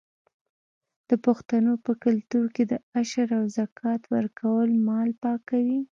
د پښتنو په کلتور کې د عشر او زکات ورکول مال پاکوي.